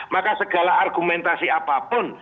maka segala argumentasi apapun